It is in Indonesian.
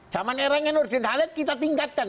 zaman era ngenur dendhalet kita tingkatkan